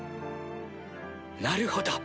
なるほど。